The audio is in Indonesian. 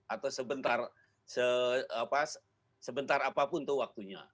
atau sebentar apapun tuh waktunya